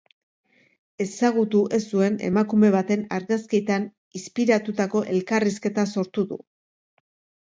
Ezagutu ez zuen emakume baten argazkietan inspiratutako elkarrizketa sortu du.